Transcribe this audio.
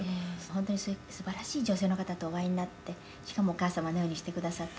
「本当にそういうすばらしい女性の方とお会いになってしかもお母様のようにしてくださった」